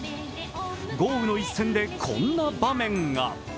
豪雨の一戦でこんな場面が。